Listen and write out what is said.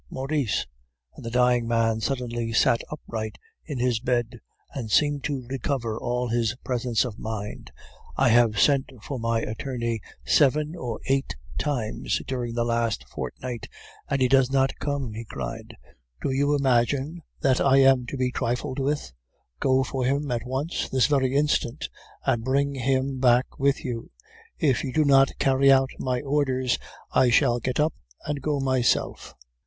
Maurice!' and the dying man suddenly sat upright in his bed, and seemed to recover all his presence of mind, 'I have sent for my attorney seven or eight times during the last fortnight, and he does not come!' he cried. 'Do you imagine that I am to be trifled with? Go for him, at once, this very instant, and bring him back with you. If you do not carry out my orders, I shall get up and go myself.